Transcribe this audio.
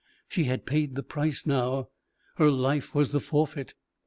She had paid the price now her life was the forfeit.